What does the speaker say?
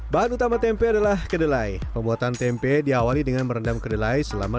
bahan utama tempe adalah kedelai pembuatan tempe diawali dengan merendam kedelai selama